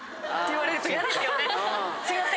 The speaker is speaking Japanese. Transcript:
すいません